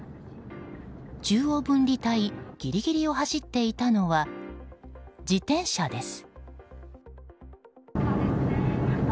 中央分離帯ギリギリを走っていたのは自転車です。